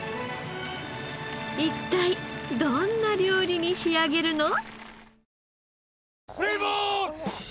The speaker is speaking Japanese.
一体どんな料理に仕上げるの？